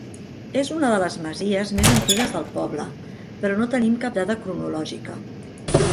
És una de les masies més antigues del poble, però no tenim cap dada cronològica.